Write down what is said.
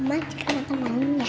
oma cekan makan malamnya